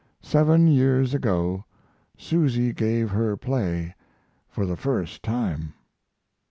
Seven years ago Susy gave her play for the first time."